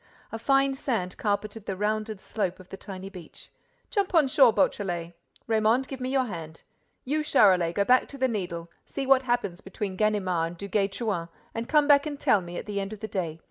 A fine sand carpeted the rounded slope of the tiny beach. "Jump on shore, Beautrelet—Raymonde, give me your hand. You, Charolais, go back to the Needle, see what happens between Ganimard and Duguay Trouin and come back and tell me at the end of the day.